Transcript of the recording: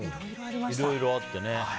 いろいろあってね。